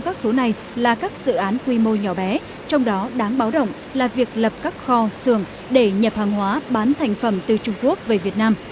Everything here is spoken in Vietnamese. các nhà đầu tư này là các dự án quy mô nhỏ bé trong đó đáng báo động là việc lập các kho xường để nhập hàng hóa bán thành phẩm từ trung quốc về việt nam